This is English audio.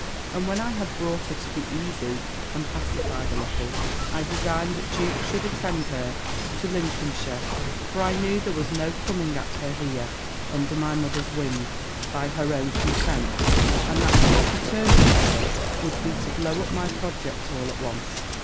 And when I had brought her to be easy and pacified a little, I designed that Jewkes should attend her to Lincolnshire: for I knew there was no coming at her here, under my mother's wing, by her own consent, and that to offer terms to her, would be to blow up my project all at once.